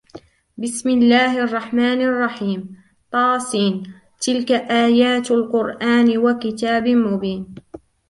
بسم الله الرحمن الرحيم طس تلك آيات القرآن وكتاب مبين